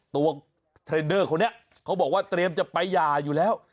ตัวเทรนเนอร์คนนี้เขาบอกว่าเตรียมจะไปหย่าอยู่แล้ว